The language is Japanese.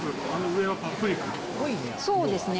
そうですね。